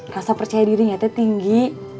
rasa percaya dirinya tinggi